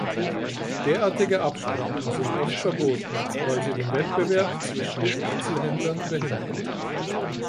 Derartige Absprachen sind oft verboten, weil sie den Wettbewerb zwischen den Einzelhändlern behindern.